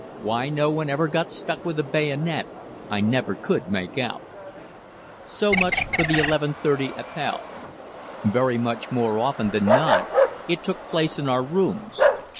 Why no one ever got stuck with a bayonet I never could make out. So much for the 11.30 Appell. Very much more often than not it took place in our rooms.